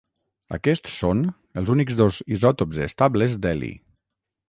Aquests són els únics dos isòtops estables d'heli.